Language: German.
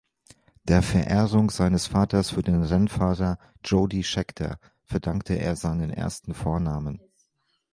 Der Verehrung seines Vaters für den Rennfahrer Jody Scheckter verdankt er seinen ersten Vornamen.